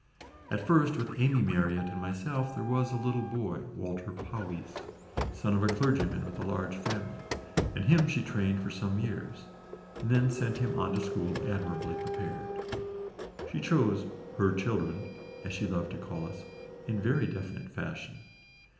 At first, with Amy Marryat and myself, there was a little boy, Walter Powys, son of a clergyman with a large family, and him she trained for some years, and then sent him on to school admirably prepared. She chose "her children" as she loved to call us in very definite fashion.